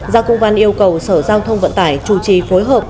giao công an yêu cầu sở giao thông vận tải chủ trì phối hợp